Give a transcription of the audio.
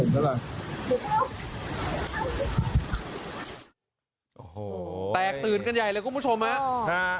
แตกตื่นกันใหญ่เลยคุณผู้ชมครับ